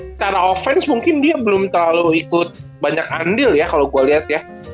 secara offense mungkin dia belum terlalu ikut banyak undil ya kalo gue liat ya